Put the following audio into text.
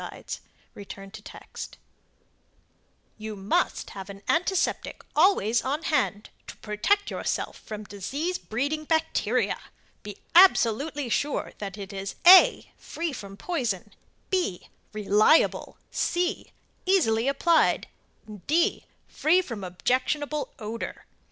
] You Must Have An Antiseptic Always on Hand to protect yourself against disease breeding Bacteria. Be absolutely sure that it is (a) free from poison; (b) reliable; (c) easily applied; (d) free from objectionable odor.